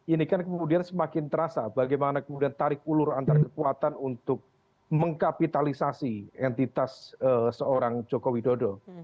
ini kan kemudian semakin terasa bagaimana kemudian tarik ulur antar kekuatan untuk mengkapitalisasi entitas seorang joko widodo